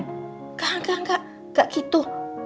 gak gak gak gak gitu